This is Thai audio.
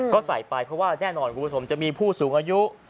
ก็ใส่ไปเพราะว่าแน่นอนคุณผู้ชมจะมีผู้สูงอายุ